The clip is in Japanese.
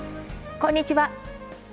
こんにちは。